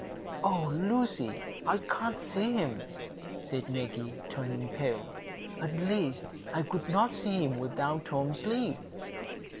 "Oh, Lucy, I can't see him," said Maggie, turning pale. "At least, I could not see him without Tom's leave."